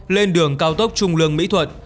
lên đường cao tốc trung lương mỹ thuận